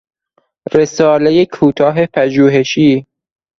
رسالهی کوتاه پژوهشی